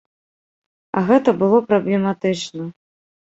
А гэта было праблематычна.